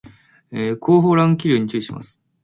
後方乱気流に注意します